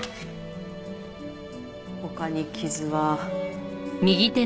他に傷は。